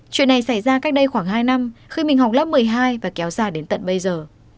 chuyện này xảy ra cách đây khoảng hai năm khi mình học lớp một mươi hai và kéo dài đến tận bây giờ